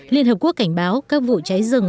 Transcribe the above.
liên hợp quốc cảnh báo các vụ cháy rừng